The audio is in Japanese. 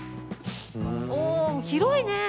おお広いね！